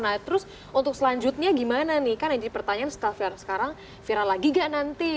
nah terus untuk selanjutnya gimana nih kan yang jadi pertanyaan staffer sekarang viral lagi gak nanti